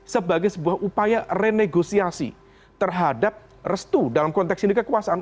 sebagai sebuah upaya renegosiasi terhadap restu dalam konteks ini kekuasaan